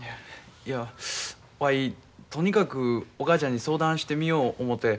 いやわいとにかくお母ちゃんに相談してみよ思て。